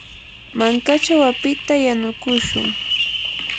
mankachaw apita yanukushun.